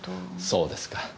そうですか。